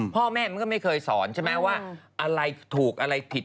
พ่อแม่มันก็ไม่เคยสอนใช่ไหมว่าอะไรถูกอะไรผิด